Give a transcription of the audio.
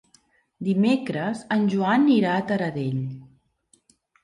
Dimecres en Joan irà a Taradell.